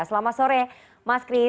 selamat sore mas kris